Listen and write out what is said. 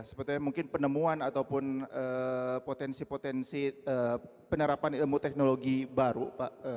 sebetulnya mungkin penemuan ataupun potensi potensi penerapan ilmu teknologi baru pak